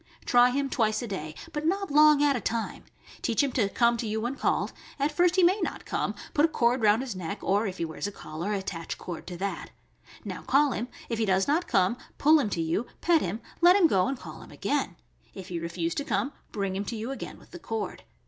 Try him twice a day, but not long at a time; teach him to come to you when called; at first he may not come; put a cord round his neck, or, if he wears a collar, attach cord to that. Now call him; if he does not come, pull him to you, pet him, let him go, and call him again; if he refuse to come, bring him to you again with the cord.